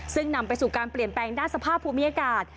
ซึ่งนำไปสู่การเปลี่ยนแปลงด้านสภาพภูมิอากาศ